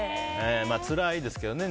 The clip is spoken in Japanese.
つらいですけどね